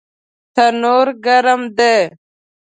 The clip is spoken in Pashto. تنور ګرم دی